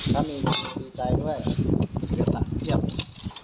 ถ้ามีสีใจด้วยเดี๋ยวสาเหตุ